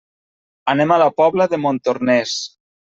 Anem a la Pobla de Montornès.